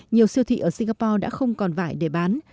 nhiều siêu thị ở singapore đã không còn vải để bán